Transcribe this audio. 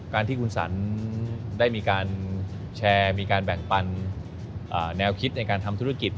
การที่คุณสันได้มีการแชร์มีการแบ่งปันแนวคิดในการทำธุรกิจ